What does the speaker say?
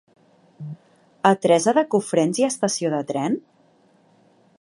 A Teresa de Cofrents hi ha estació de tren?